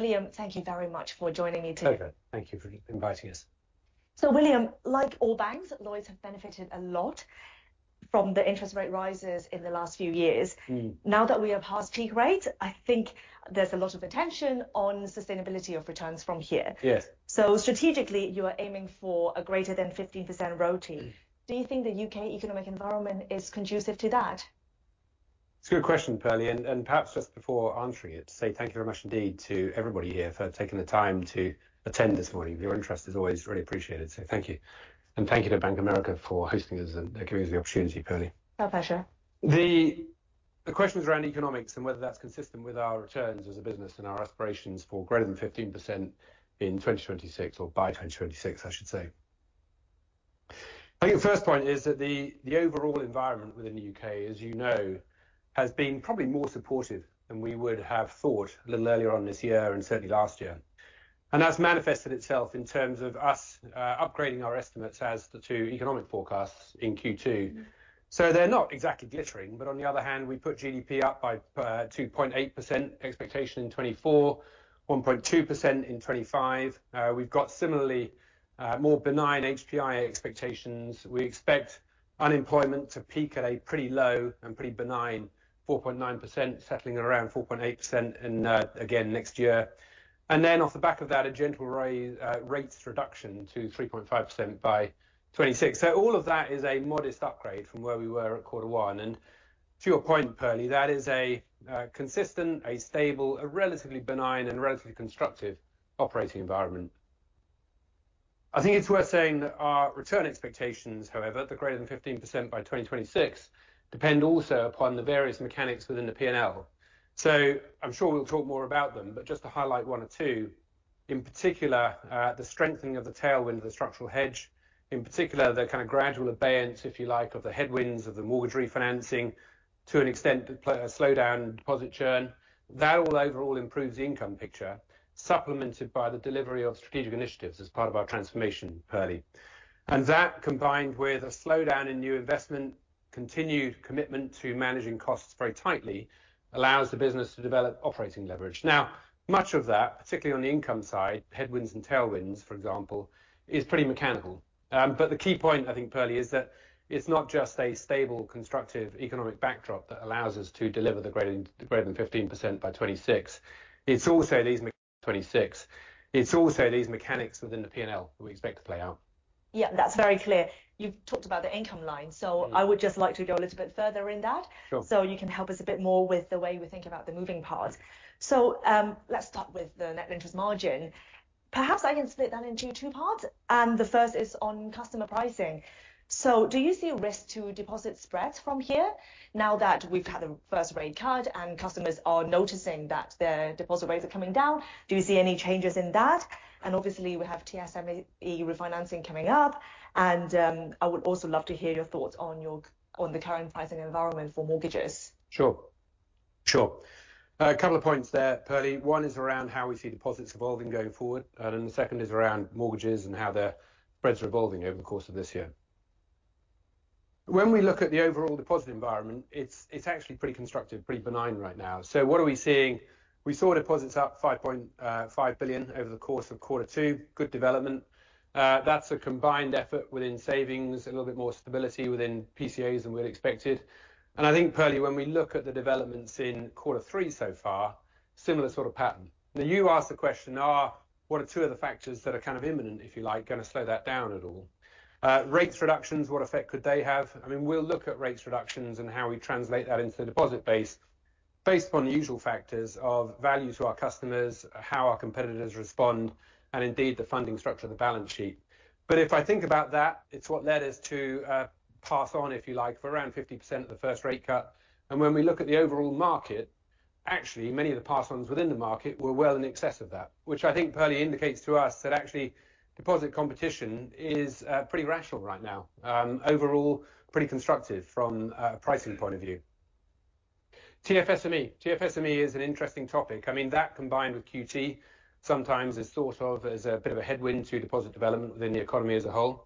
William, thank you very much for joining me today. Okay, thank you for inviting us. So William, like all banks, Lloyds have benefited a lot from the interest rate rises in the last few years. Mm. Now that we are past peak rates, I think there's a lot of attention on sustainability of returns from here. Yes. So strategically, you are aiming for a greater than 15% ROTI. Do you think the U.K. economic environment is conducive to that? It's a good question, Perlie, and perhaps just before answering it, to say thank you very much indeed to everybody here for taking the time to attend this morning. Your interest is always really appreciated, so thank you. And thank you to Bank of America for hosting us and giving us the opportunity, Pearly. My pleasure. The question was around economics and whether that's consistent with our returns as a business and our aspirations for greater than 15% in 2026, or by 2026, I should say. I think the first point is that the overall environment within the U.K., as you know, has been probably more supportive than we would have thought a little earlier on this year and certainly last year, and that's manifested itself in terms of us upgrading our estimates as to economic forecasts in Q2. Mm. They're not exactly glittering, but on the other hand, we put GDP up by 2.8% expectation in 2024, 1.2% in 2025. We've got similarly more benign HPI expectations. We expect unemployment to peak at a pretty low and pretty benign 4.9%, settling around 4.8% in again next year. And then off the back of that, a gentle rates reduction to 3.5% by 2026. So all of that is a modest upgrade from where we were at Q1. And to your point, Pearly, that is a consistent, a stable, a relatively benign and relatively constructive operating environment. I think it's worth saying that our return expectations, however, the greater than 15% by 2026, depend also upon the various mechanics within the P&L. I'm sure we'll talk more about them, but just to highlight one or two in particular, the strengthening of the tailwind of the structural hedge, in particular, the kind of gradual abeyance, if you like, of the headwinds of the mortgage refinancing, to an extent, the slowdown in deposit churn. That all overall improves the income picture, supplemented by the delivery of strategic initiatives as part of our transformation, Pearly. And that, combined with a slowdown in new investment, continued commitment to managing costs very tightly, allows the business to develop operating leverage. Now, much of that, particularly on the income side, headwinds and tailwinds, for example, is pretty mechanical. But the key point, I think, Pearly, is that it's not just a stable, constructive economic backdrop that allows us to deliver the greater than 15% by 2026. It's also these... 2026. It's also these mechanics within the P&L we expect to play out. Yeah, that's very clear. You've talked about the income line, so- Mm... I would just like to go a little bit further in that. Sure. So you can help us a bit more with the way we think about the moving parts. So, let's start with the net interest margin. Perhaps I can split that into two parts, and the first is on customer pricing. So do you see a risk to deposit spreads from here, now that we've had the first rate cut and customers are noticing that their deposit rates are coming down? Do you see any changes in that? And obviously, we have TFSME refinancing coming up, and I would also love to hear your thoughts on the current pricing environment for mortgages. Sure. Sure. A couple of points there, Pearly. One is around how we see deposits evolving going forward, and then the second is around mortgages and how their spreads are evolving over the course of this year. When we look at the overall deposit environment, it's actually pretty constructive, pretty benign right now. So what are we seeing? We saw deposits up 5.5 billion over the course of Q2. Good development. That's a combined effort within savings, a little bit more stability within PCAs than we'd expected. And I think, Pearly, when we look at the developments in Q3 so far, similar sort of pattern. Now, you asked the question, what are two of the factors that are kind of imminent, if you like, gonna slow that down at all? Rates reductions, what effect could they have? I mean, we'll look at rates reductions and how we translate that into the deposit base, based on the usual factors of value to our customers, how our competitors respond, and indeed, the funding structure of the balance sheet, but if I think about that, it's what led us to pass on, if you like, for around 50% of the first rate cut. And when we look at the overall market, actually, many of the pass-ons within the market were well in excess of that, which I think, Pearly, indicates to us that actually deposit competition is pretty rational right now, and when we look at the overall market, actually, many of the pass-ons within the market were well in excess of that, which I think, Pearly, indicates to us that actually deposit competition is pretty rational right now. Overall, pretty constructive from a pricing point of view. TFSME. TFSME is an interesting topic. I mean, that combined with QT, sometimes is thought of as a bit of a headwind to deposit development within the economy as a whole.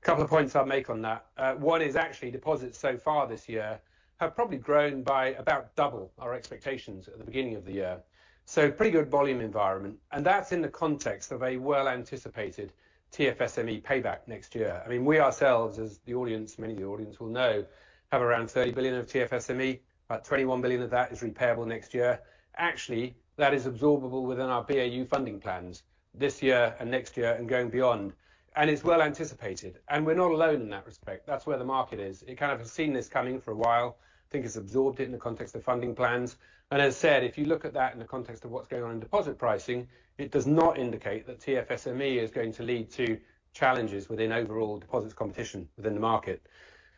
Couple of points I'll make on that: one is actually, deposits so far this year have probably grown by about double our expectations at the beginning of the year, so pretty good volume environment, and that's in the context of a well-anticipated TFSME payback next year. I mean, we ourselves, as the audience, many of the audience will know, have around thirty billion of TFSME, about twenty-one billion of that is repayable next year. Actually, that is absorbable within our BAU funding plans this year and next year and going beyond, and it's well anticipated, and we're not alone in that respect. That's where the market is. It kind of has seen this coming for a while. I think it's absorbed it in the context of funding plans. And as I said, if you look at that in the context of what's going on in deposit pricing, it does not indicate that TFSME is going to lead to challenges within overall deposits competition within the market.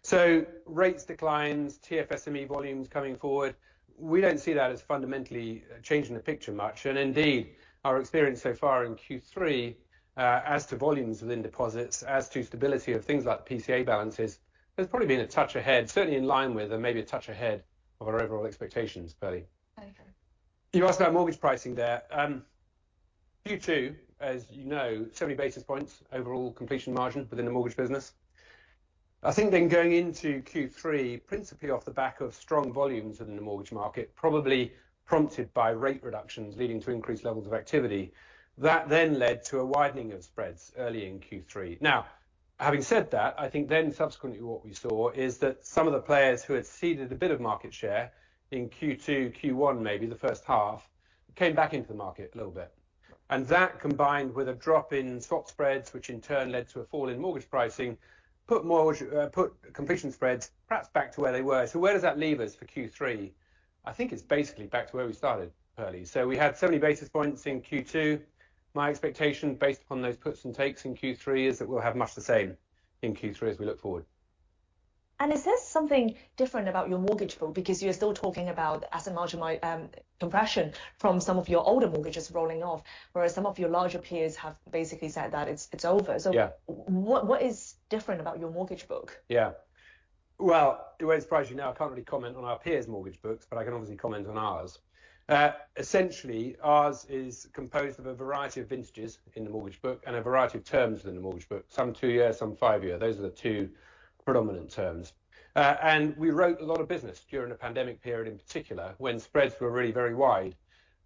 So rates declines, TFSME volumes coming forward, we don't see that as fundamentally changing the picture much. And indeed, our experience so far in Q3, as to volumes within deposits, as to stability of things like PCA balances, has probably been a touch ahead, certainly in line with and maybe a touch ahead of our overall expectations, Pearly. Thank you. You asked about mortgage pricing there, Q2, as you know, seventy basis points overall completion margin within the mortgage business. I think then going into Q3, principally off the back of strong volumes within the mortgage market, probably prompted by rate reductions leading to increased levels of activity, that then led to a widening of spreads early in Q3. Now, having said that, I think then subsequently what we saw is that some of the players who had ceded a bit of market share in Q2, Q1 maybe, the first half, came back into the market a little bit. And that, combined with a drop in swap spreads, which in turn led to a fall in mortgage pricing, put mortgage, put completion spreads perhaps back to where they were. So where does that leave us for Q3? I think it's basically back to where we started, Pearly. So we had seventy basis points in Q2. My expectation, based upon those puts and takes in Q3, is that we'll have much the same in Q3 as we look forward. Is this something different about your mortgage book? Because you're still talking about asset margin compression from some of your older mortgages rolling off, whereas some of your larger peers have basically said that it's over. Yeah. So what is different about your mortgage book? Yeah. Well, it won't surprise you now, I can't really comment on our peers' mortgage books, but I can obviously comment on ours. Essentially, ours is composed of a variety of vintages in the mortgage book and a variety of terms within the mortgage book, some two-year, some five-year. Those are the two predominant terms, and we wrote a lot of business during the pandemic period, in particular, when spreads were really very wide,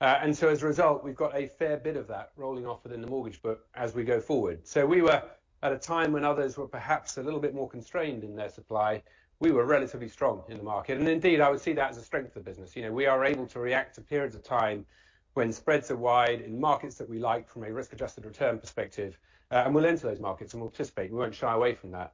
and so as a result, we've got a fair bit of that rolling off within the mortgage book as we go forward. So we were at a time when others were perhaps a little bit more constrained in their supply. We were relatively strong in the market, and indeed, I would see that as a strength of the business. You know, we are able to react to periods of time when spreads are wide in markets that we like from a risk-adjusted return perspective, and we'll enter those markets, and we'll participate, we won't shy away from that.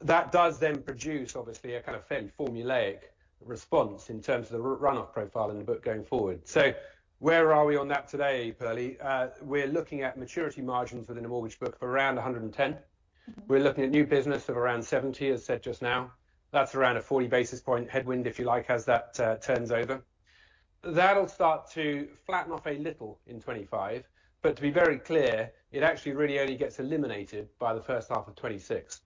That does then produce, obviously, a kind of fairly formulaic response in terms of the run-off profile in the book going forward. So where are we on that today, Pearly? We're looking at maturity margins within the mortgage book of around a hundred and ten. Mm-hmm. We're looking at new business of around 70 [basis points], as said just now. That's around a 40-basis point headwind, if you like, as that turns over. That'll start to flatten off a little in 2025, but to be very clear, it actually really only gets eliminated by the first half of 2026.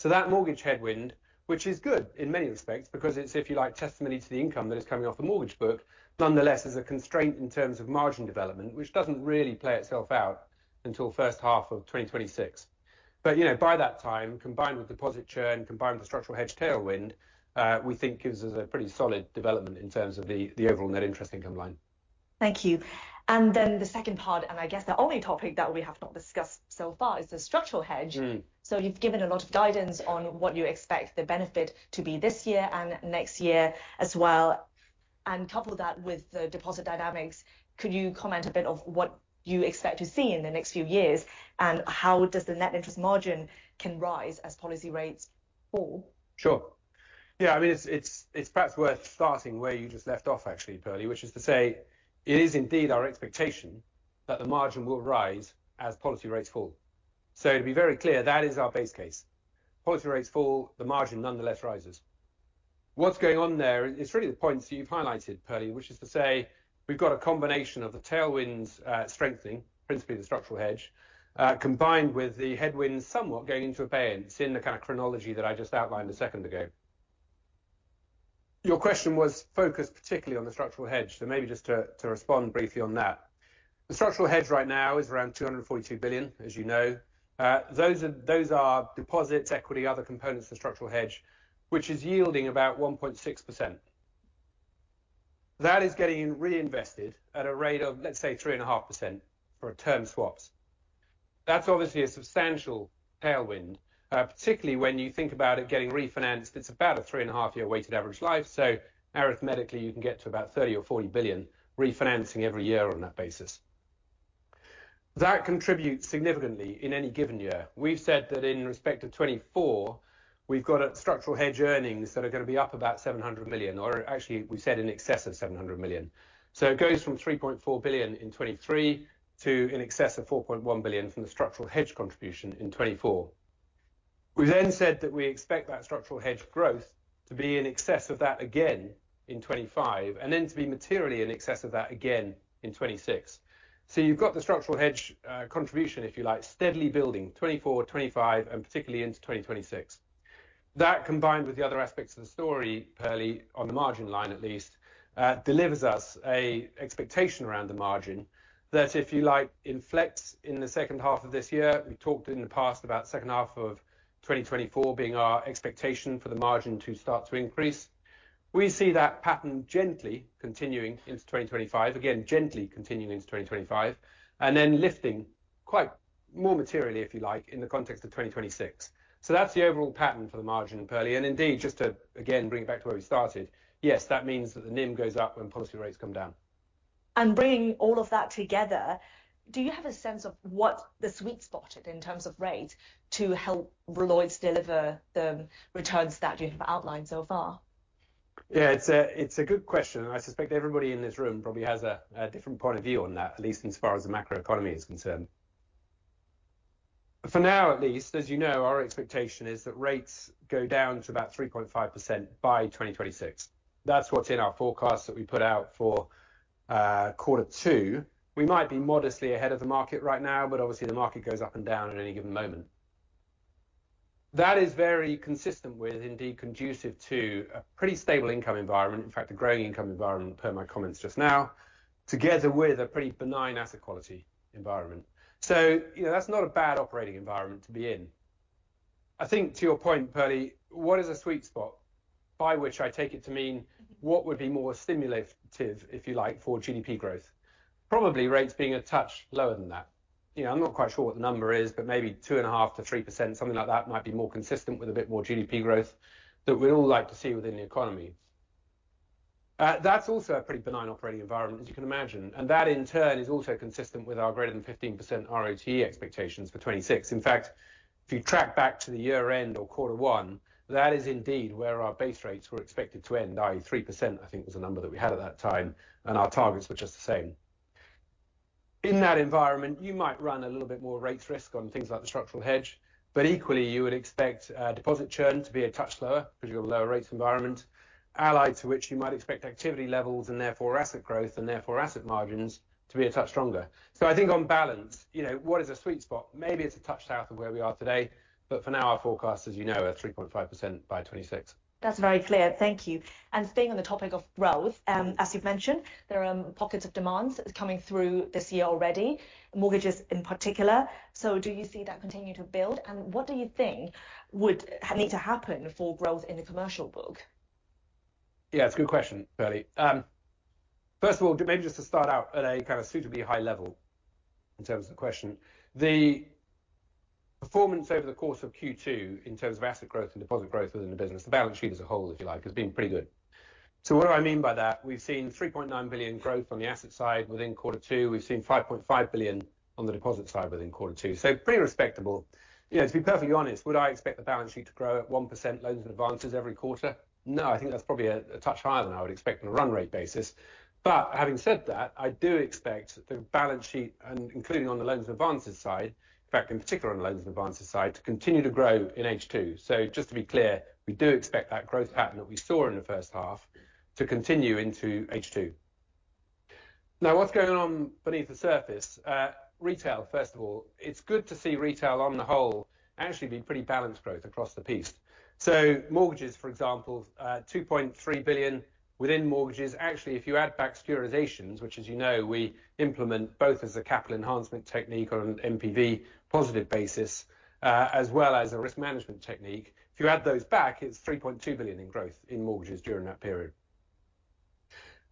So that mortgage headwind, which is good in many respects, because it's, if you like, testimony to the income that is coming off the mortgage book, nonetheless, is a constraint in terms of margin development, which doesn't really play itself out until first half of 2026. But you know, by that time, combined with deposit churn, combined with the structural hedge tailwind, we think gives us a pretty solid development in terms of the overall net interest income line. Thank you. And then the second part, and I guess the only topic that we have not discussed so far is the structural hedge. Mm. So you've given a lot of guidance on what you expect the benefit to be this year and next year as well, and couple that with the deposit dynamics, could you comment a bit of what you expect to see in the next few years, and how does the net interest margin can rise as policy rates fall? Sure. Yeah, I mean, it's perhaps worth starting where you just left off, actually, Pearly, which is to say, it is indeed our expectation that the margin will rise as policy rates fall. So to be very clear, that is our base case. Policy rates fall, the margin nonetheless rises. What's going on there is really the points you've highlighted, Pearly, which is to say we've got a combination of the tailwinds strengthening, principally the structural hedge, combined with the headwinds somewhat going into abeyance in the kind of chronology that I just outlined a second ago. Your question was focused particularly on the structural hedge, so maybe just to respond briefly on that. The structural hedge right now is around 242 billion, as you know. Those are, those are deposits, equity, other components of the structural hedge, which is yielding about 1.6%. That is getting reinvested at a rate of, let's say, 3.5% for term swaps. That's obviously a substantial tailwind, particularly when you think about it getting refinanced. It's about a 3.5 year weighted average life, so arithmetically, you can get to about 30 or 40 billion refinancing every year on that basis. That contributes significantly in any given year. We've said that in respect to 2024, we've got structural hedge earnings that are gonna be up about 700 million, or actually, we said in excess of 700 million. So it goes from 3.4 billion in 2023, to in excess of 4.1 billion from the structural hedge contribution in 2024. We then said that we expect that structural hedge growth to be in excess of that again in 2025, and then to be materially in excess of that again in 2026. So you've got the structural hedge contribution, if you like, steadily building 2024, 2025, and particularly into 2026. That, combined with the other aspects of the story, Pearly, on the margin line at least, delivers us an expectation around the margin that, if you like, inflects in the second half of this year. We talked in the past about second half of 2024 being our expectation for the margin to start to increase. We see that pattern gently continuing into 2025, again, gently continuing into 2025, and then lifting quite more materially, if you like, in the context of 2026. So that's the overall pattern for the margin, Pearly, and indeed, just to, again, bring it back to where we started, yes, that means that the NIM goes up when policy rates come down. Bringing all of that together, do you have a sense of what the sweet spot is in terms of rate to help Lloyds deliver the returns that you have outlined so far? Yeah, it's a good question, and I suspect everybody in this room probably has a different point of view on that, at least as far as the macroeconomy is concerned. For now, at least, as you know, our expectation is that rates go down to about 3.5% by 2026. That's what's in our forecast that we put out for Q2. We might be modestly ahead of the market right now, but obviously the market goes up and down at any given moment. That is very consistent with, indeed, conducive to a pretty stable income environment. In fact, a growing income environment, per my comments just now, together with a pretty benign asset quality environment. So, you know, that's not a bad operating environment to be in. I think to your point, Pearly, what is a sweet spot? By which I take it to mean, what would be more stimulative, if you like, for GDP growth. Probably rates being a touch lower than that. You know, I'm not quite sure what the number is, but maybe 2.5%-3%, something like that, might be more consistent with a bit more GDP growth that we'd all like to see within the economy. That's also a pretty benign operating environment, as you can imagine, and that, in turn, is also consistent with our greater than 15% ROTE expectations for 2026. In fact, if you track back to the year-end or Q1, that is indeed where our base rates were expected to end, i.e. 3%, I think, was the number that we had at that time, and our targets were just the same. In that environment, you might run a little bit more rates risk on things like the structural hedge, but equally, you would expect deposit churn to be a touch lower because you have a lower rates environment, allied to which you might expect activity levels and therefore asset growth, and therefore asset margins to be a touch stronger. So I think on balance, you know, what is a sweet spot? Maybe it's a touch south of where we are today, but for now, our forecast, as you know, are 3.5% by 2026. That's very clear. Thank you. And staying on the topic of growth, as you've mentioned, there are pockets of demands coming through this year already, mortgages in particular. So do you see that continuing to build, and what do you think would need to happen for growth in the commercial book? Yeah, it's a good question, Pearly. First of all, maybe just to start out at a kind of suitably high level in terms of the question. The performance over the course of Q2, in terms of asset growth and deposit growth within the business, the balance sheet as a whole, if you like, has been pretty good. So what do I mean by that? We've seen 3.9 billion growth on the asset side within Q2. We've seen 5.5 billion on the deposit side within Q2. So pretty respectable. You know, to be perfectly honest, would I expect the balance sheet to grow at 1% loans and advances every quarter? No, I think that's probably a touch higher than I would expect on a run rate basis. But having said that, I do expect the balance sheet and including on the loans and advances side, in fact, in particular on the loans and advances side, to continue to grow in H2. So just to be clear, we do expect that growth pattern that we saw in the first half to continue into H2. Now, what's going on beneath the surface? Retail, first of all, it's good to see retail on the whole actually be pretty balanced growth across the piece. So mortgages, for example, 2.3 billion within mortgages. Actually, if you add back securitizations, which as you know, we implement both as a capital enhancement technique or an NPV positive basis, as well as a risk management technique. If you add those back, it's 3.2 billion in growth in mortgages during that period.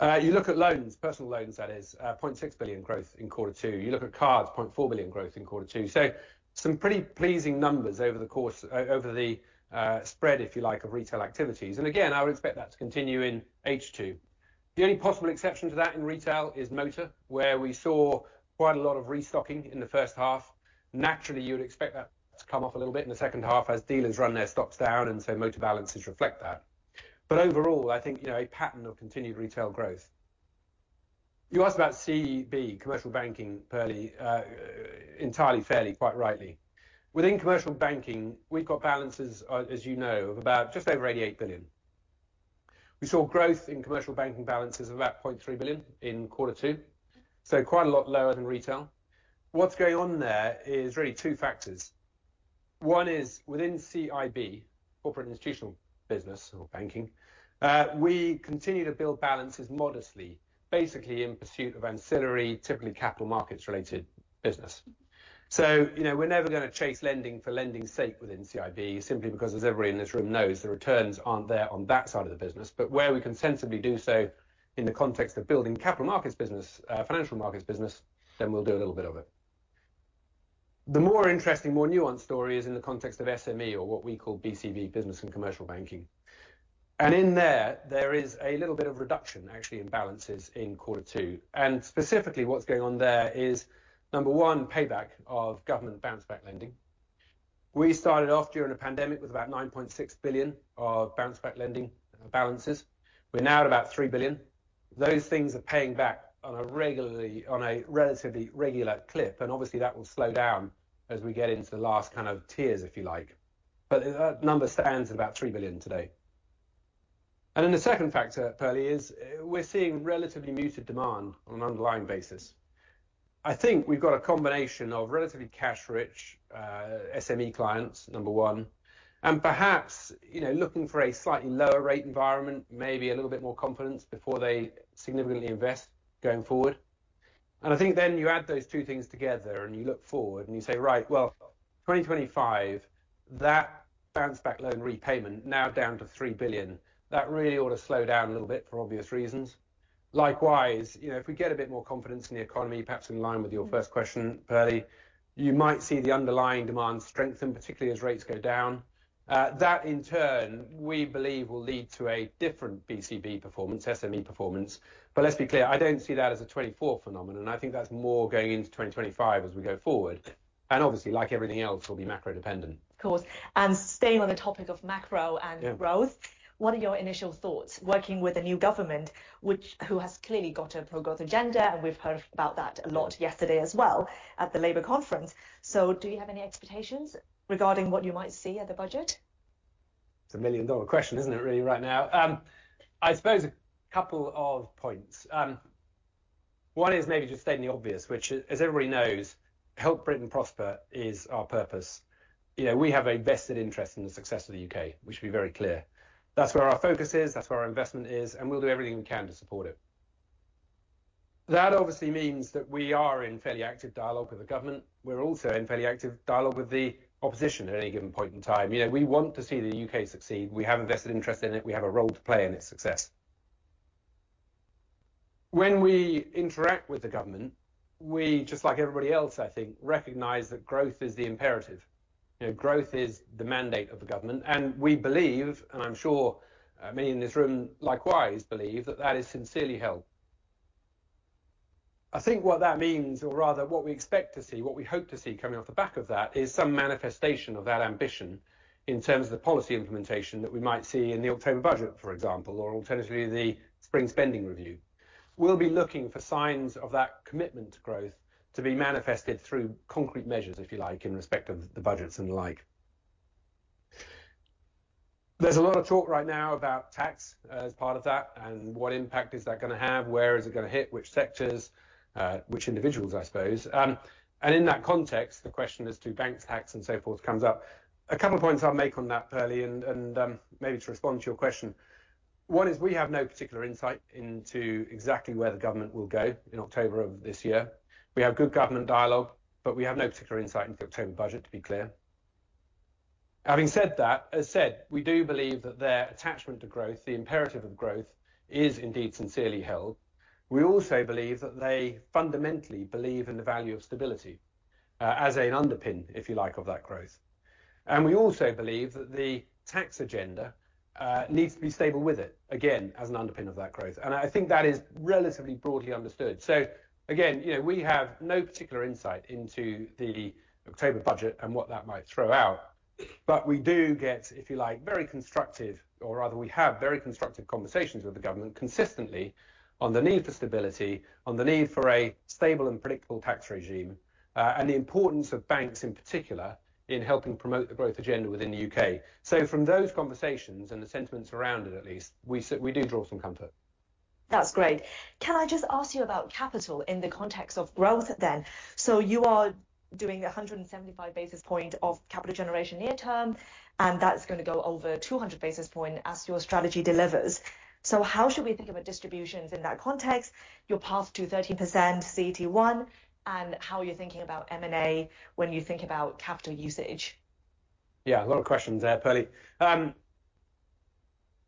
You look at loans, personal loans, that is, point six billion growth in Q2. You look at cards, point four billion growth in Q2. So some pretty pleasing numbers over the course, over the spread, if you like, of retail activities. And again, I would expect that to continue in H2. The only possible exception to that in retail is motor, where we saw quite a lot of restocking in the first half. Naturally, you would expect that to come off a little bit in the second half as dealers run their stocks down, and so motor balances reflect that. But overall, I think, you know, a pattern of continued retail growth. You asked about CB, commercial banking, Pearly, entirely fairly, quite rightly. Within commercial banking, we've got balances, as you know, of about just over eighty-eight billion. We saw growth in commercial banking balances of about 0.3 billion in Q2, so quite a lot lower than retail. What's going on there is really two factors. One is within CIB, Corporate Institutional Business or Banking, we continue to build balances modestly, basically in pursuit of ancillary, typically capital markets-related business. So you know, we're never gonna chase lending for lending's sake within CIB, simply because, as everybody in this room knows, the returns aren't there on that side of the business. But where we can sensibly do so in the context of building capital markets business, financial markets business, then we'll do a little bit of it. The more interesting, more nuanced story is in the context of SME or what we call BCB, Business and Commercial Banking. And in there, there is a little bit of reduction, actually, in balances in Q2, and specifically, what's going on there is, number one, payback of government bounce-back lending. We started off during the pandemic with about 9.6 billion of bounce-back lending balances. We're now at about 3 billion. Those things are paying back on a relatively regular clip, and obviously that will slow down as we get into the last kind of tiers, if you like. But that number stands at about 3 billion today. And then the second factor, Pearly, is, we're seeing relatively muted demand on an underlying basis. I think we've got a combination of relatively cash-rich SME clients, number one, and perhaps, you know, looking for a slightly lower rate environment, maybe a little bit more confidence before they significantly invest going forward. And I think then you add those two things together, and you look forward, and you say, "Right, well, twenty twenty-five, that bounce-back loan repayment now down to 3 billion, that really ought to slow down a little bit for obvious reasons." Likewise, you know, if we get a bit more confidence in the economy, perhaps in line with your first question, Pearly, you might see the underlying demand strengthen, particularly as rates go down. That in turn, we believe, will lead to a different BCB performance, SME performance. But let's be clear, I don't see that as a 2024 phenomenon. I think that's more going into 2025, as we go forward, and obviously, like everything else, will be macro-dependent. Of course. And staying on the topic of macro and growth- Yeah. What are your initial thoughts working with a new government, which... who has clearly got a pro-growth agenda, and we've heard about that a lot yesterday as well at the Labour conference. So do you have any expectations regarding what you might see at the budget? It's a million-dollar question, isn't it, really, right now? I suppose a couple of points. One is maybe just stating the obvious, which is, as everybody knows, help Britain prosper is our purpose. You know, we have a vested interest in the success of the U.K. We should be very clear. That's where our focus is, that's where our investment is, and we'll do everything we can to support it. That obviously means that we are in fairly active dialogue with the government. We're also in fairly active dialogue with the opposition at any given point in time. You know, we want to see the U.K. succeed. We have a vested interest in it. We have a role to play in its success. When we interact with the government, we, just like everybody else, I think, recognize that growth is the imperative. You know, growth is the mandate of the government, and we believe, and I'm sure, many in this room likewise believe, that that is sincerely held. I think what that means, or rather what we expect to see, what we hope to see coming off the back of that, is some manifestation of that ambition in terms of the policy implementation that we might see in the October budget, for example, or alternatively, the Spring spending review. We'll be looking for signs of that commitment to growth to be manifested through concrete measures, if you like, in respect of the budgets and the like. There's a lot of talk right now about tax as part of that and what impact is that gonna have, where is it gonna hit, which sectors, which individuals, I suppose. And in that context, the question as to banks tax and so forth, comes up. A couple of points I'll make on that, Pearly, maybe to respond to your question. One is we have no particular insight into exactly where the government will go in October of this year. We have good government dialogue, but we have no particular insight into October budget, to be clear. Having said that, as said, we do believe that their attachment to growth, the imperative of growth, is indeed sincerely held. We also believe that they fundamentally believe in the value of stability, as an underpin, if you like, of that growth. And we also believe that the tax agenda, needs to be stable with it, again, as an underpin of that growth. And I think that is relatively broadly understood. So again, you know, we have no particular insight into the October budget and what that might throw out, but we do get, if you like, very constructive, or rather we have very constructive conversations with the government consistently on the need for stability, on the need for a stable and predictable tax regime, and the importance of banks, in particular, in helping promote the growth agenda within the U.K. So from those conversations and the sentiments around it, at least, we do draw some comfort. That's great. Can I just ask you about capital in the context of growth then? So you are doing 175 basis points of capital generation near term, and that's gonna go over 200 basis points as your strategy delivers. So how should we think about distributions in that context, your path to 13% CET1, and how you're thinking about M&A when you think about capital usage? Yeah, a lot of questions there, Pearly.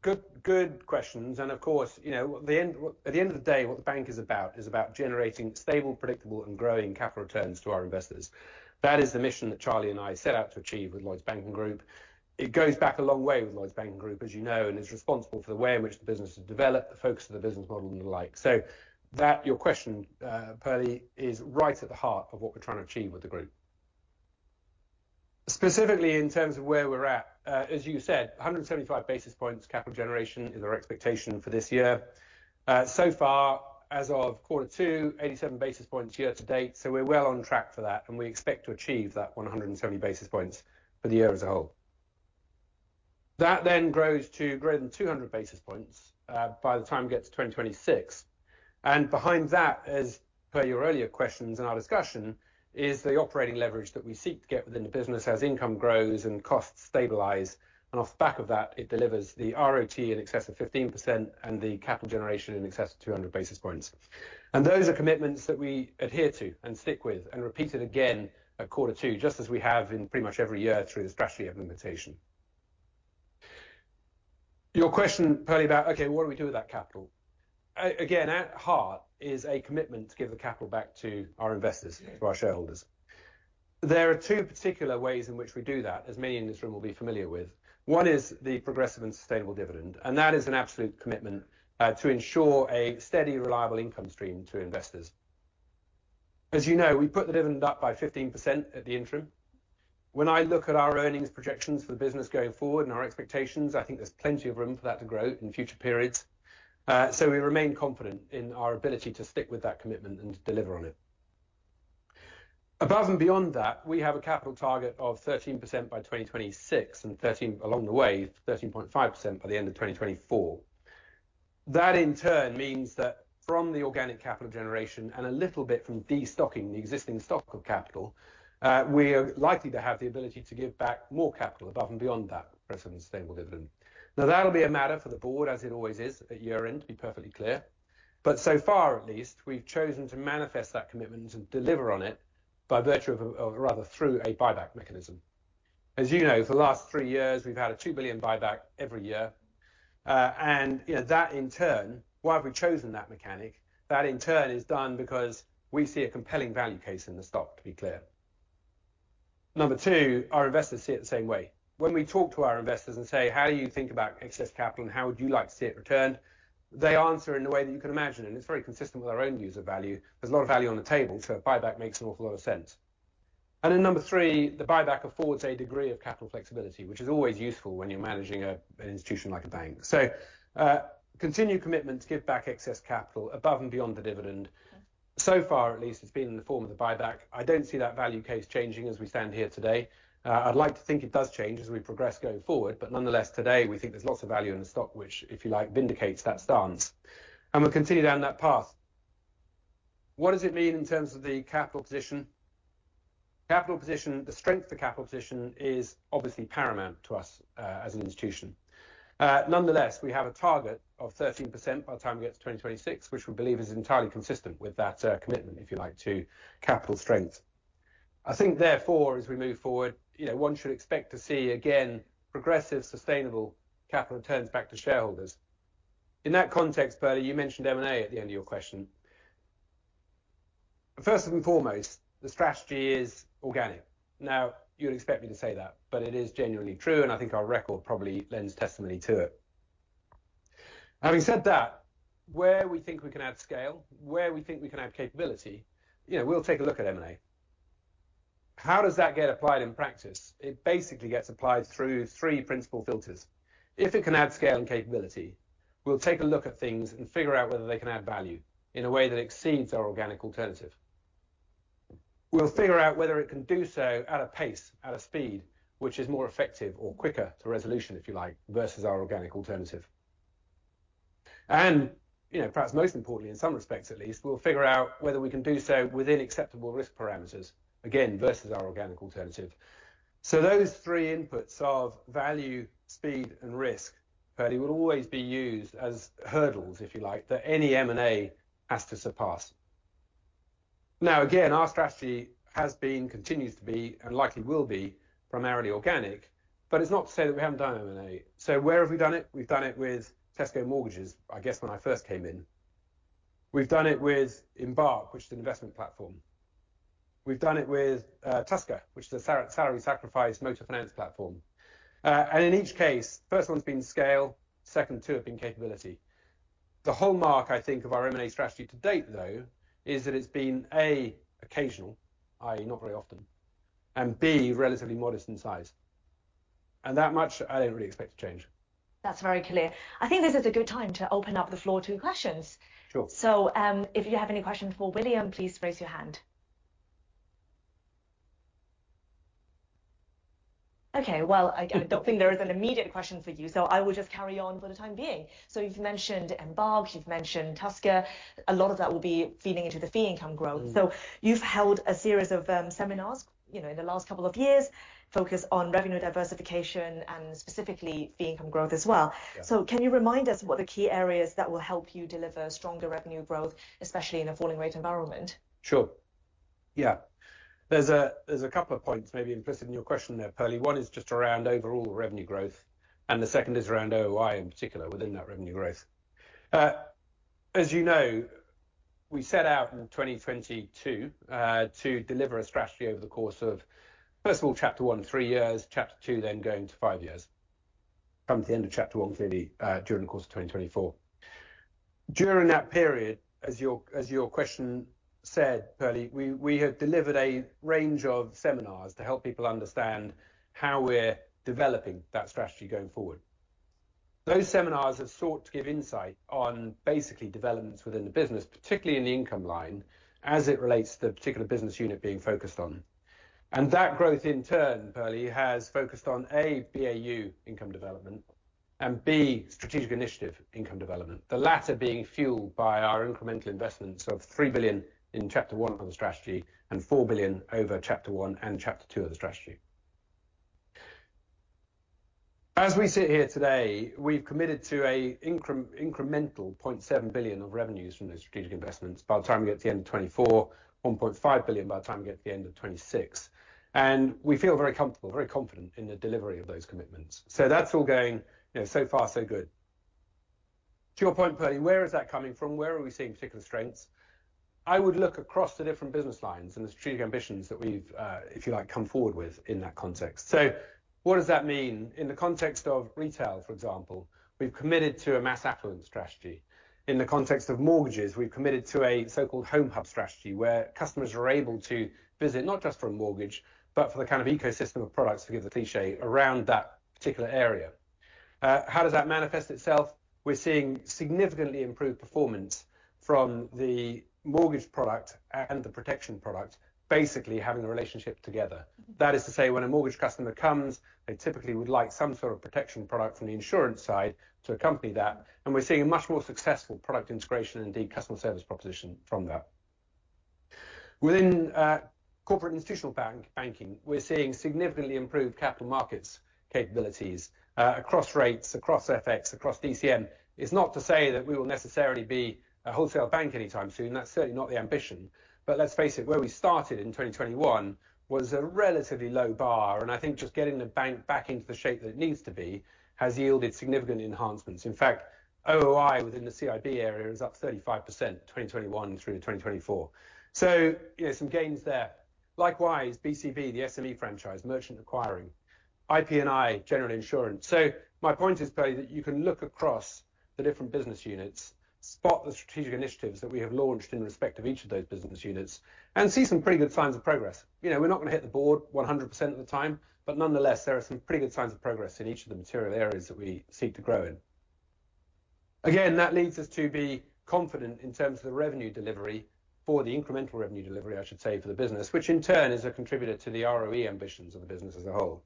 Good, good questions, and of course, you know, at the end, at the end of the day, what the bank is about, is about generating stable, predictable, and growing capital returns to our investors. That is the mission that Charlie and I set out to achieve with Lloyds Banking Group. It goes back a long way with Lloyds Banking Group, as you know, and is responsible for the way in which the business has developed, the focus of the business model, and the like. So that, your question, Pearly, is right at the heart of what we're trying to achieve with the group. Specifically in terms of where we're at, as you said, 175 basis points capital generation is our expectation for this year. So far, as of Q2, 87 basis points year-to-date, so we're well on track for that, and we expect to achieve that one hundred and seventy basis points for the year as a whole. That then grows to greater than two hundred basis points by the time we get to twenty twenty-six. And behind that, as per your earlier questions and our discussion, is the operating leverage that we seek to get within the business as income grows and costs stabilize. And off the back of that, it delivers the ROT in excess of 15% and the capital generation in excess of two hundred basis points. And those are commitments that we adhere to and stick with and repeat it again at Q2, just as we have in pretty much every year through the strategy implementation. Your question, Pearly, about, okay, what do we do with that capital? Again, at heart is a commitment to give the capital back to our investors, to our shareholders. There are two particular ways in which we do that, as many in this room will be familiar with. One is the progressive and sustainable dividend, and that is an absolute commitment to ensure a steady, reliable income stream to investors. As you know, we put the dividend up by 15% at the interim. When I look at our earnings projections for the business going forward and our expectations, I think there's plenty of room for that to grow in future periods. So we remain confident in our ability to stick with that commitment and to deliver on it. Above and beyond that, we have a capital target of 13% by 2026, and 13 along the way, 13.5% by the end of 2024. That, in turn, means that from the organic capital generation and a little bit from destocking the existing stock of capital, we are likely to have the ability to give back more capital above and beyond that progressive and sustainable dividend. Now, that'll be a matter for the board, as it always is, at year-end, to be perfectly clear. But so far, at least, we've chosen to manifest that commitment and deliver on it by virtue of rather through a buyback mechanism. As you know, for the last three years, we've had a 2 billion buyback every year. And, you know, that in turn, why have we chosen that mechanic? That in turn is done because we see a compelling value case in the stock, to be clear. Number two, our investors see it the same way. When we talk to our investors and say, "How do you think about excess capital, and how would you like to see it returned?" They answer in a way that you can imagine, and it's very consistent with our own user value. There's a lot of value on the table, so a buyback makes an awful lot of sense. And then number three, the buyback affords a degree of capital flexibility, which is always useful when you're managing an institution like a bank. So, continued commitment to give back excess capital above and beyond the dividend... so far, at least, it's been in the form of the buyback. I don't see that value case changing as we stand here today. I'd like to think it does change as we progress going forward, but nonetheless, today, we think there's lots of value in the stock, which, if you like, vindicates that stance, and we'll continue down that path. What does it mean in terms of the capital position? Capital position, the strength of the capital position is obviously paramount to us, as an institution. Nonetheless, we have a target of 13% by the time we get to 2026, which we believe is entirely consistent with that commitment, if you like, to capital strength. I think therefore, as we move forward, you know, one should expect to see, again, progressive, sustainable capital returns back to shareholders. In that context, Pearly, you mentioned M&A at the end of your question. First and foremost, the strategy is organic. Now, you'd expect me to say that, but it is genuinely true, and I think our record probably lends testimony to it. Having said that, where we think we can add scale, where we think we can add capability, you know, we'll take a look at M&A. How does that get applied in practice? It basically gets applied through three principal filters. If it can add scale and capability, we'll take a look at things and figure out whether they can add value in a way that exceeds our organic alternative. We'll figure out whether it can do so at a pace, at a speed, which is more effective or quicker to resolution, if you like, versus our organic alternative and, you know, perhaps most importantly, in some respects at least, we'll figure out whether we can do so within acceptable risk parameters, again, versus our organic alternative. So those three inputs of value, speed, and risk, Pearly, will always be used as hurdles, if you like, that any M&A has to surpass. Now, again, our strategy has been, continues to be, and likely will be primarily organic, but it's not to say that we haven't done M&A. So where have we done it? We've done it with Tesco Mortgages, I guess, when I first came in. We've done it with Embark, which is an investment platform. We've done it with Tusker, which is a salary sacrifice motor finance platform. And in each case, first one's been scale, second two have been capability. The hallmark, I think, of our M&A strategy to date, though, is that it's been, A, occasional, i.e., not very often, and B, relatively modest in size. And that much, I don't really expect to change. That's very clear. I think this is a good time to open up the floor to questions. Sure. So, if you have any questions for William, please raise your hand. Okay, well, I don't think there is an immediate question for you, so I will just carry on for the time being. So you've mentioned Embark, you've mentioned Tusker. A lot of that will be feeding into the fee income growth. Mm-hmm. So you've held a series of seminars, you know, in the last couple of years, focused on revenue diversification and specifically fee income growth as well. Yeah. So can you remind us what are the key areas that will help you deliver stronger revenue growth, especially in a falling rate environment? Sure. Yeah. There's a couple of points maybe implicit in your question there, Pearly. One is just around overall revenue growth, and the second is around OOI, in particular, within that revenue growth. As you know, we set out in twenty twenty-two to deliver a strategy over the course of, first of all, chapter one, three years, chapter two, then going to five years. Come to the end of chapter one, clearly, during the course of twenty twenty-four. During that period, as your question said, Pearly, we have delivered a range of seminars to help people understand how we're developing that strategy going forward. Those seminars have sought to give insight on basically developments within the business, particularly in the income line, as it relates to the particular business unit being focused on. That growth, in turn, Pearly, has focused on A, BAU income development, and B, strategic initiative income development. The latter being fueled by our incremental investments of 3 billion in chapter one of the strategy and 4 billion over chapter one and chapter two of the strategy. As we sit here today, we've committed to an incremental 0.7 billion of revenues from those strategic investments by the time we get to the end of 2024, 1.5 billion by the time we get to the end of 2026, and we feel very comfortable, very confident in the delivery of those commitments. That's all going, you know, so far, so good. To your point, Pearly, where is that coming from? Where are we seeing particular strengths? I would look across the different business lines and the strategic ambitions that we've, if you like, come forward with in that context. So what does that mean? In the context of retail, for example, we've committed to a mass affluent strategy. In the context of mortgages, we've committed to a so-called Home Hub strategy, where customers are able to visit, not just for a mortgage, but for the kind of ecosystem of products, to give the cliché, around that particular area. How does that manifest itself? We're seeing significantly improved performance from the mortgage product and the protection product, basically having a relationship together. Mm-hmm. That is to say, when a mortgage customer comes, they typically would like some sort of protection product from the insurance side to accompany that, and we're seeing a much more successful product integration and indeed customer service proposition from that. Within corporate and institutional banking, we're seeing significantly improved capital markets capabilities across rates, across FX, across DCM. It's not to say that we will necessarily be a wholesale bank anytime soon. That's certainly not the ambition. But let's face it, where we started in 2021 was a relatively low bar, and I think just getting the bank back into the shape that it needs to be has yielded significant enhancements. In fact, OOI within the CIB area is up 35%, 2021 through to 2024. So, you know, some gains there. Likewise, BCB, the SME franchise, merchant acquiring, IP&I, general insurance. So my point is, Pearly, that you can look across the different business units, spot the strategic initiatives that we have launched in respect of each of those business units, and see some pretty good signs of progress. You know, we're not going to hit the board 100% of the time, but nonetheless, there are some pretty good signs of progress in each of the material areas that we seek to grow in.... Again, that leads us to be confident in terms of the revenue delivery, for the incremental revenue delivery, I should say, for the business, which in turn is a contributor to the ROE ambitions of the business as a whole.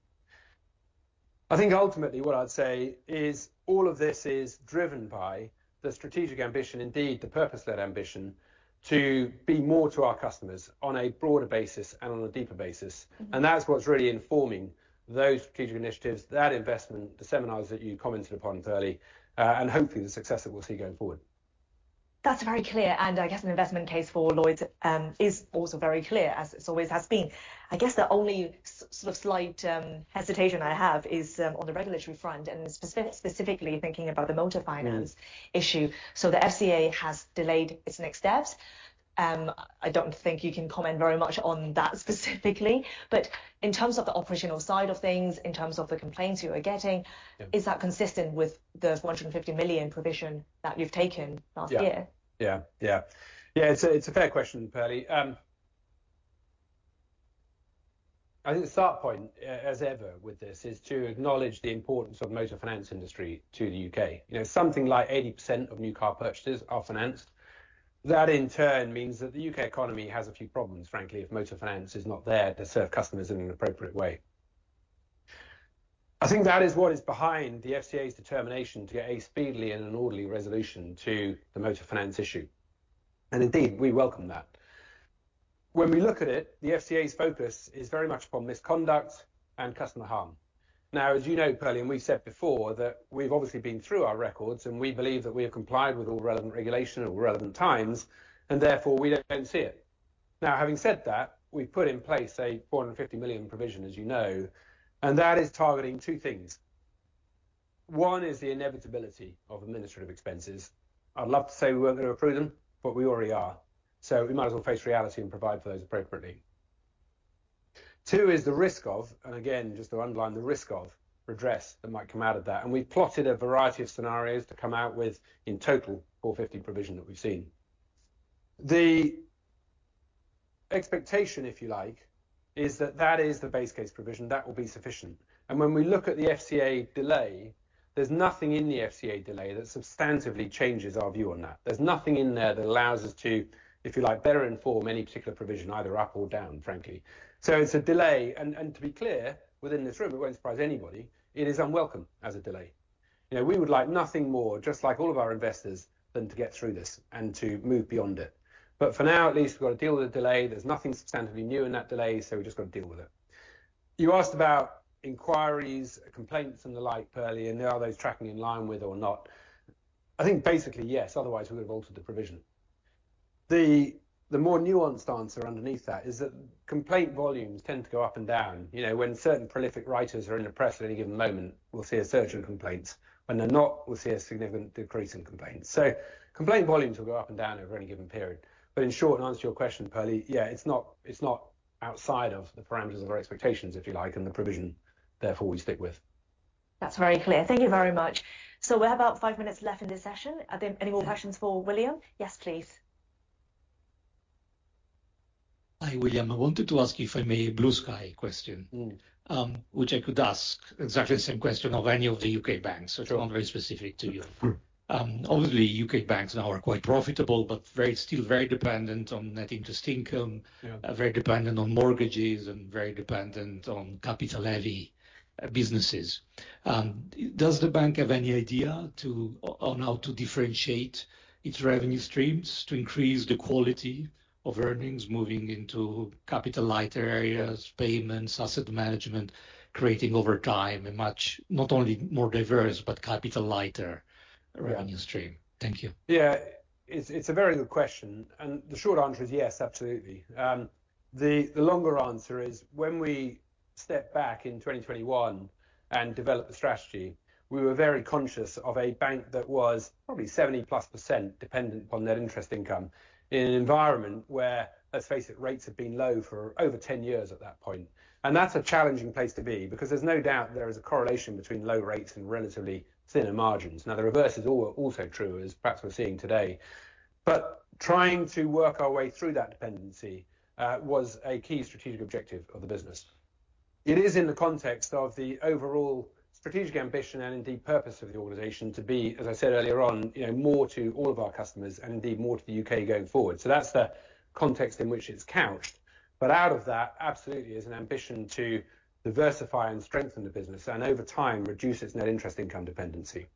I think ultimately what I'd say is all of this is driven by the strategic ambition, indeed, the purpose of that ambition, to be more to our customers on a broader basis and on a deeper basis, and that's what's really informing those strategic initiatives, that investment, the seminars that you commented upon, Pearly, and hopefully the success that we'll see going forward. That's very clear, and I guess an investment case for Lloyds is also very clear, as it always has been. I guess the only sort of slight hesitation I have is on the regulatory front and specifically thinking about the motor finance issue. So the FCA has delayed its next steps. I don't think you can comment very much on that specifically, but in terms of the operational side of things, in terms of the complaints you are getting- Yeah. Is that consistent with the 150 million provision that you've taken last year? Yeah. Yeah, yeah. Yeah, it's a fair question, Pearly. I think the start point, as ever with this, is to acknowledge the importance of motor finance industry to the U.K. You know, something like 80% of new car purchases are financed. That in turn means that the U.K. economy has a few problems, frankly, if motor finance is not there to serve customers in an appropriate way. I think that is what is behind the FCA's determination to get a speedily and an orderly resolution to the motor finance issue, and indeed, we welcome that. When we look at it, the FCA's focus is very much upon misconduct and customer harm. Now, as you know, Pearly, and we said before, that we've obviously been through our records, and we believe that we have complied with all relevant regulation at all relevant times, and therefore, we don't see it. Now, having said that, we've put in place a 450 million provision, as you know, and that is targeting two things. One is the inevitability of administrative expenses. I'd love to say we weren't gonna accrue them, but we already are. So we might as well face reality and provide for those appropriately. Two is the risk of, and again, just to underline the risk of, redress that might come out of that, and we've plotted a variety of scenarios to come out with, in total, 450 million provision that we've seen. The expectation, if you like, is that that is the base case provision, that will be sufficient. When we look at the FCA delay, there's nothing in the FCA delay that substantively changes our view on that. There's nothing in there that allows us to, if you like, better inform any particular provision, either up or down, frankly. So it's a delay, and to be clear, within this room, it won't surprise anybody, it is unwelcome as a delay. You know, we would like nothing more, just like all of our investors, than to get through this and to move beyond it. But for now, at least, we've got to deal with the delay. There's nothing substantively new in that delay, so we've just got to deal with it. You asked about inquiries, complaints, and the like, Pearly, and are those tracking in line with or not? I think basically, yes, otherwise we would have altered the provision. The more nuanced answer underneath that is that complaint volumes tend to go up and down. You know, when certain prolific writers are in the press at any given moment, we'll see a surge in complaints. When they're not, we'll see a significant decrease in complaints. So complaint volumes will go up and down over any given period. But in short, and to answer your question, Pearly, yeah, it's not outside of the parameters of our expectations, if you like, and the provision, therefore, we stick with. That's very clear. Thank you very much. So we have about five minutes left in this session. Are there any more questions for William? Yes, please. Hi, William. I wanted to ask you, if I may, blue sky question- Mm. which I could ask exactly the same question of any of the U.K. banks, which are not very specific to you. Mm. Obviously, U.K. banks now are quite profitable, but still very dependent on net interest income. Yeah... very dependent on mortgages and very dependent on capital-heavy businesses. Does the bank have any idea to, on how to differentiate its revenue streams to increase the quality of earnings moving into capital lighter areas, payments, asset management, creating over time a much, not only more diverse, but capital lighter revenue stream? Yeah. Thank you. Yeah. It's a very good question, and the short answer is yes, absolutely. The longer answer is, when we stepped back in twenty twenty one and developed the strategy, we were very conscious of a bank that was probably 70% dependent upon net interest income in an environment where, let's face it, rates have been low for over 10 years at that point. And that's a challenging place to be because there's no doubt there is a correlation between low rates and relatively thinner margins. Now, the reverse is also true, as perhaps we're seeing today. But trying to work our way through that dependency was a key strategic objective of the business. It is in the context of the overall strategic ambition and indeed purpose of the organization to be, as I said earlier on, you know, more to all of our customers and indeed more to the U.K. going forward, so that's the context in which it's couched, but out of that, absolutely, is an ambition to diversify and strengthen the business and over time, reduce its net interest income dependency,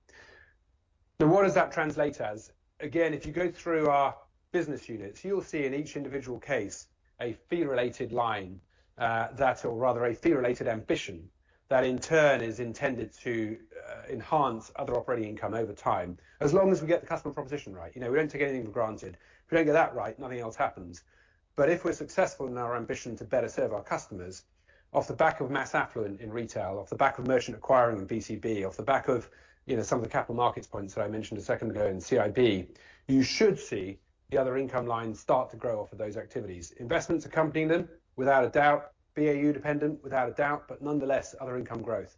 so what does that translate as? Again, if you go through our business units, you'll see in each individual case a fee-related line, that or rather a fee-related ambition, that in turn is intended to, enhance other operating income over time. As long as we get the customer proposition right. You know, we don't take anything for granted. If we don't get that right, nothing else happens. But if we're successful in our ambition to better serve our customers, off the back of mass affluent in retail, off the back of Merchant acquiring and BCB, off the back of, you know, some of the capital markets points that I mentioned a second ago in CIB, you should see the other income lines start to grow off of those activities. Investments accompanying them, without a doubt, BAU dependent, without a doubt, but nonetheless, other income growth.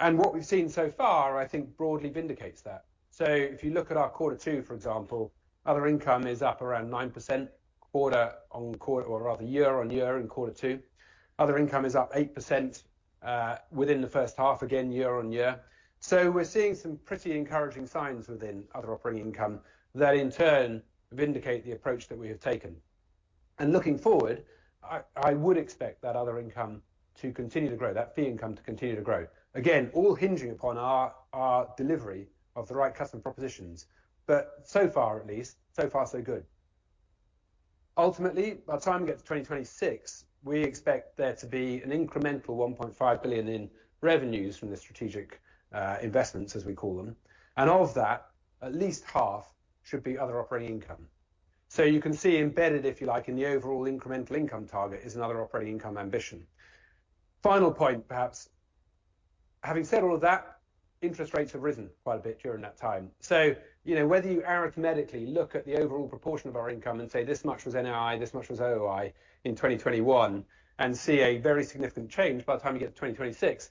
And what we've seen so far, I think, broadly vindicates that. So if you look at our Q2, for example, other income is up around 9% year on year in Q2. Other income is up 8% within the first half, again, year on year. We're seeing some pretty encouraging signs within other operating income that in turn vindicate the approach that we have taken. And looking forward, I would expect that other income to continue to grow, that fee income to continue to grow. Again, all hinging upon our delivery of the right customer propositions. But so far, at least, so far, so good. Ultimately, by the time we get to 2026, we expect there to be an incremental 1.5 billion in revenues from the strategic investments, as we call them, and of that, at least half should be other operating income. So you can see embedded, if you like, in the overall incremental income target, is another operating income ambition. Final point, perhaps, having said all of that, interest rates have risen quite a bit during that time. You know, whether you arithmetically look at the overall proportion of our income and say, this much was NII, this much was OOI in 2021, and see a very significant change by the time you get to 2026,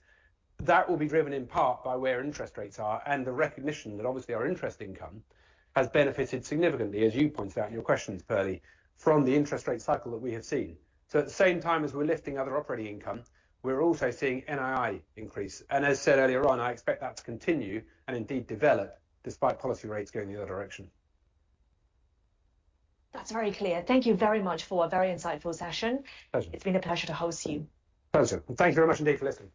that will be driven in part by where interest rates are and the recognition that obviously our interest income has benefited significantly, as you pointed out in your questions, Pearly, from the interest rate cycle that we have seen. At the same time as we're lifting other operating income, we're also seeing NII increase. As said earlier on, I expect that to continue and indeed develop despite policy rates going the other direction. That's very clear. Thank you very much for a very insightful session. Pleasure. It's been a pleasure to host you. Pleasure. Thank you very much indeed for listening.